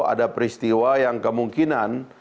ada peristiwa yang kemungkinan